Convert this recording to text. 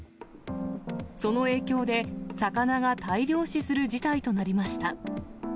その影響で、魚が大量死する事態となりました。